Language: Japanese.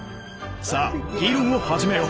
さあ議論を始めよう。